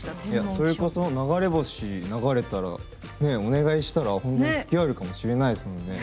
それこそ流れ星流れたらお願いしたら本当に、つきあえるかもしれないですもんね。